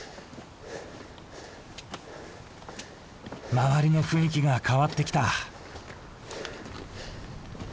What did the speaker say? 周りの雰囲気が変わってきた。